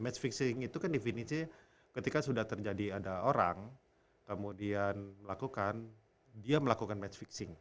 match fixing itu kan definisi ketika sudah terjadi ada orang kemudian melakukan dia melakukan match fixing